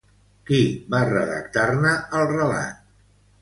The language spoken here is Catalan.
Qui va redactar-ne el relat?